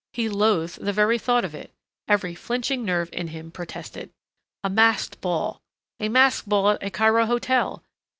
He loathed the very thought of it. Every flinching nerve in him protested. A masked ball a masked ball at a Cairo hotel!